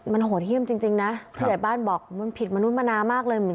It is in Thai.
มันโหดเยี่ยมจริงนะผู้ใหญ่บ้านบอกมันผิดมนุษย์มานามากเลย